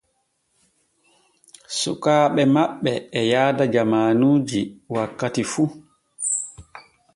Sukaaɓe maɓɓe e yaada jamaanuji wakkati fu.